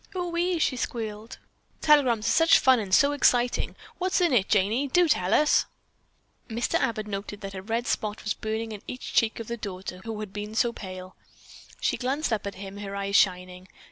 "Ohee," she squealed, "telegrams are such fun and so exciting. What's in it, Janey, do tell us!" Mr. Abbott noted that a red spot was burning in each cheek of the daughter who had been so pale. She glanced up at him, her eyes shining.